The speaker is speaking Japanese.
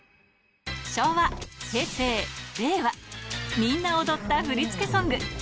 昭和、平成、令和、みんな踊った振り付けソング。